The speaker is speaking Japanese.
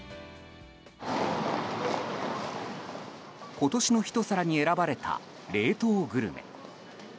今年の一皿に選ばれた冷凍グルメ。